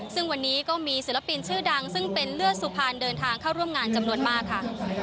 ซึ่งวันนี้ก็มีศิลปินชื่อดังซึ่งเป็นเลือดสุพรรณเดินทางเข้าร่วมงานจำนวนมากค่ะ